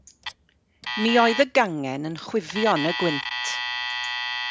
Mi oedd y gangen yn chwifio yn y gwynt.